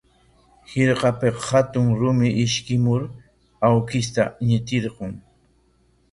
Hirkapik hatun rumi ishkimur awkishta ñitirqun.